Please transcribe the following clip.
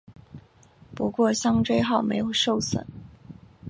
不过香椎号没有受损。